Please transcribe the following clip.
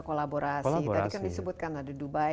kolaborasi tadi kan disebutkan ada dubai